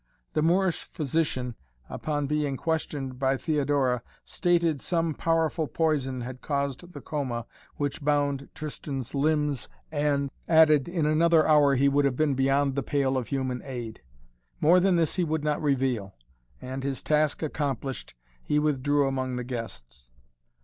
The Moorish physician, upon being questioned by Theodora, stated, some powerful poison had caused the coma which bound Tristan's limbs and added, in another hour he would have been beyond the pale of human aid. More than this he would not reveal and, his task accomplished, he withdrew among the guests.